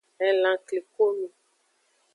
Elan klikonu.